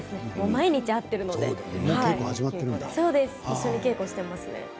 もう毎日会って一緒に稽古をしています。